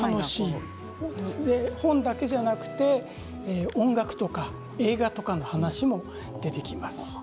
本だけではなくて音楽とか映画とかの話も出てきます。